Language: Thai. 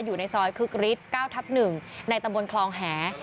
อยู่ในซอยคึกฤทธิ์๙ทับ๑ในตำบลคลองแห